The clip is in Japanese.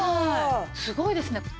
すごいですね。